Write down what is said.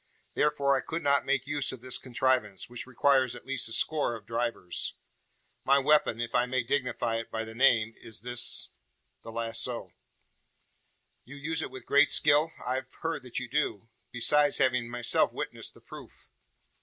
Therefore I could not make use of this contrivance, which requires at least a score of drivers. My weapon, if I may dignify it by the name, is this the lazo." "You use it with great skill? I've heard that you do; besides having myself witnessed the proof."